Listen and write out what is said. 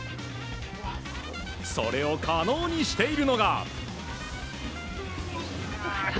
それを可能にしているのが。